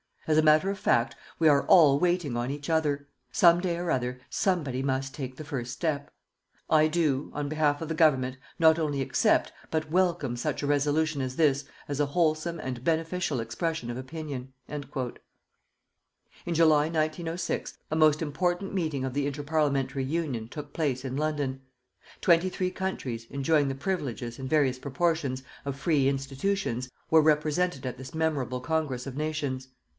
As a matter of fact, we are all waiting on each other. Some day or other somebody must take the first step.... I do, on behalf of the Government, not only accept, but welcome such a resolution as this as a wholesome and beneficial expression of opinion._" In July, 1906, a most important meeting of the Inter Parliamentary Union took place in London. Twenty three countries, enjoying the privileges, in various proportions, of free institutions, were represented at this memorable Congress of Nations.